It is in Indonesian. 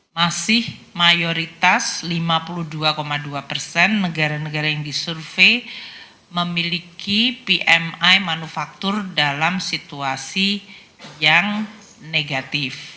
masih mayoritas lima puluh dua dua persen negara negara yang disurvey memiliki pmi manufaktur dalam situasi yang negatif